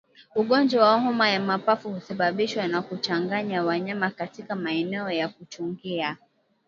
Ugonjwa wa homa ya mapafu husababishwa na kuchanganya wanyama katika maeneo ya kuchungia